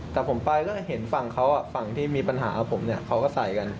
แต่ผมไปก็เห็นฝั่งเขาฝั่งที่มีปัญหากับผมเนี่ยเขาก็ใส่กัน